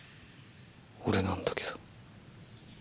俺なんだけど。